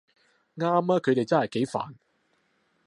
啱吖，佢哋真係幾煩